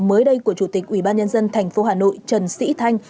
mới đây của chủ tịch ủy ban nhân dân tp hà nội trần sĩ thanh